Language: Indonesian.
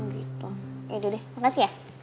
gitu yaudah deh makasih ya